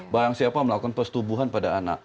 barang siapa melakukan persetubuhan pada anak